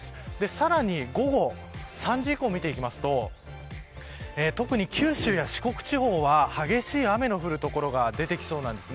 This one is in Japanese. さらに午後３時以降を見ていくと特に九州や四国地方は激しい雨の降る所が出てきそうなんです。